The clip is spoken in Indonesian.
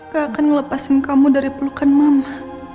gak akan melepaskan kamu dari pelukan mama